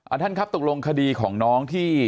ท่านครับตกลงคดีของน้องที่